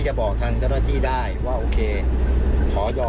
มันเป็นการเพื่อนสบาย